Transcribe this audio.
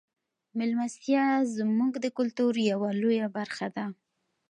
میلمستیا زموږ د کلتور یوه لویه برخه ده.